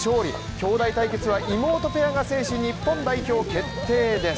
きょうだい対決は妹ペアが制し、日本代表決定です。